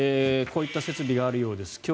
こういった設備があるようです。